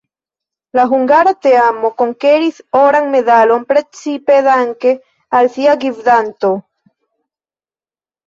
La hungara teamo konkeris oran medalon precipe danke al sia gvidanto.